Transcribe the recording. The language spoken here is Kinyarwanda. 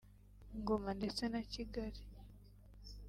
Ngoma ndetse na Kigali